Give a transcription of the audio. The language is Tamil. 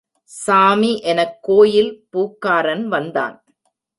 சாமி எனக் கோயில் பூக்காரன் வந்தான்.